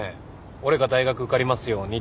俺が大学受かりますようにって。